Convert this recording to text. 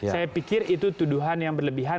saya pikir itu tuduhan yang berlebihan